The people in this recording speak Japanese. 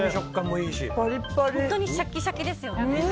本当にシャキシャキですよね。